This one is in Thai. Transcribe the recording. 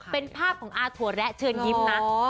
เป็นภาพของอาถั่วแระเชิญยิ้มนะ